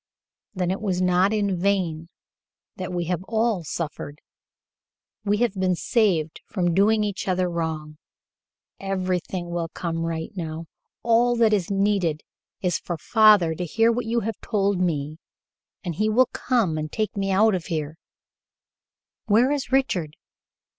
"Then it was not in vain that we have all suffered. We have been saved from doing each other wrong. Everything will come right now. All that is needed is for father to hear what you have told me, and he will come and take me out of here Where is Richard?"